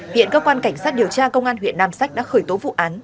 hiện các quan cảnh sát điều tra công an huyện nam sách đã khởi tố vụ án